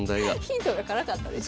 ヒントがカラかったですね。